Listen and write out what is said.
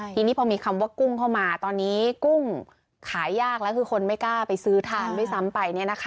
ทีนี้พอมีคำว่ากุ้งเข้ามาตอนนี้กุ้งขายยากแล้วคือคนไม่กล้าไปซื้อทานด้วยซ้ำไป